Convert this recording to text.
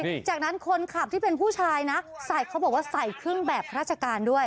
นี่จากนั้นคนขับที่เป็นผู้ชายนะใส่เขาบอกว่าใส่เครื่องแบบราชการด้วย